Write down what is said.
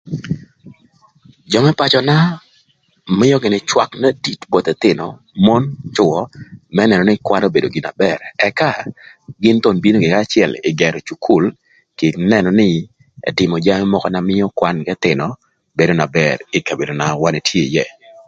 Jö më pacöna mïö gïnï cwak më tic both ëthïnö, mon, cwö më nënö nï kwan obedo gin na bër ëka gïn thon bino gïnï kanya acël më gërö cukul kï nënö nï ëtïmö jami mökö na mïö kwan k'ëthïnö bedo na bër kï kabedo na wan etye ïë